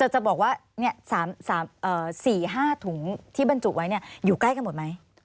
จะบอกว่า๔๕ถุงที่บรรจุไว้อยู่ใกล้กันหมดไหม